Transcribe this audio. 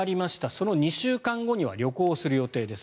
その２週間後には旅行をする予定です。